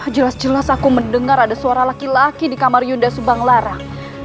jelas jelas aku mendengar ada suara laki laki di kamar yunda subang larang